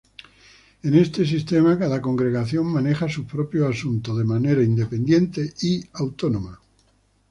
En este sistema, cada congregación maneja sus propios asuntos de manera independiente y autónoma.